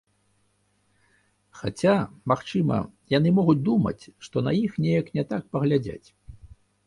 Хаця магчыма яны могуць думаць, што на іх неяк не так паглядзяць.